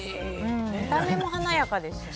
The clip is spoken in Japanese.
見た目も華やかですしね。